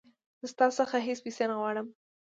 زه ستا څخه هیڅ پیسې نه غواړم.